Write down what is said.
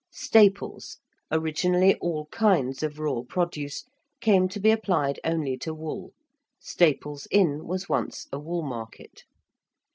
~staples~, originally all kinds of raw produce, came to be applied only to wool. Staples Inn was once a wool market.